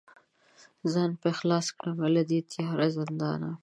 ځان به خلاص کړمه له دې تیاره زندانه